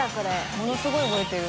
ものすごい燃えてる。